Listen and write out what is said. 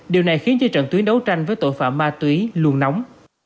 điều này khiến cho trận tuyến đấu tranh với tội phạm ma túy luôn nóng